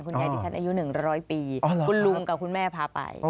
ดิฉันอายุ๑๐๐ปีคุณลุงกับคุณแม่พาไป